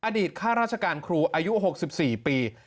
ข้าราชการครูอายุ๖๔ปี